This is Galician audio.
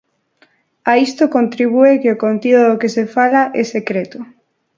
A isto contribúe que o contido do que se fala é secreto.